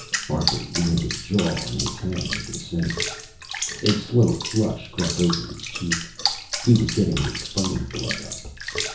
Arthur leaned his jaw on his hand and considered. A slow flush crept over his cheek. He was getting his fighting blood up.